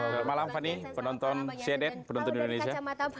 selamat malam fani penonton cnn penonton indonesia